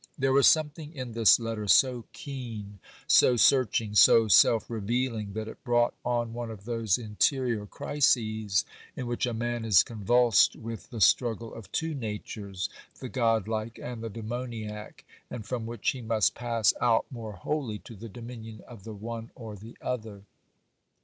There was something in this letter so keen, so searching, so self revealing, that it brought on one of those interior crises in which a man is convulsed with the struggle of two natures—the godlike and the demoniac, and from which he must pass out more wholly to the dominion of the one or the other.